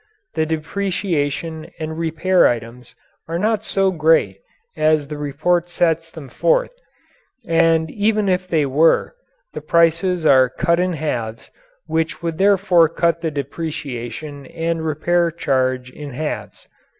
The depreciation and repair items are not so great as the report sets them forth, and even if they were, the prices are cut in halves which would therefore cut the depreciation and repair charge in halves.